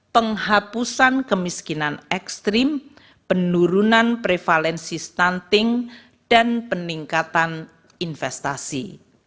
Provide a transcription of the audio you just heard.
penghapusan kemiskinan ekstrim penurunan prevalensi stunting dan peningkatan investasi